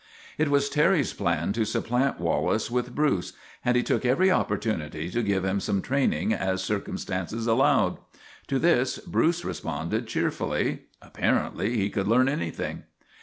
It was Terry's plan to supplant Wallace with Bruce, and he took every opportunity to give him such training as circumstances allowed. To this Bruce responded cheerfully; apparently he could learn anything.